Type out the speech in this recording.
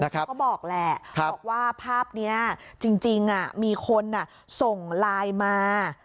ก็บอกแหละบอกว่าภาพนี้จริงมีคนส่งไลน์มา